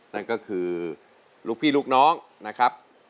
นั่นก็คือลูกพี่ลูกน้องนะครับ